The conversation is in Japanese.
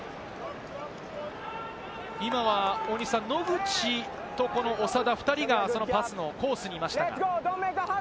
今は大西さん、野口とこの長田、２人がパスのコースにいましたが。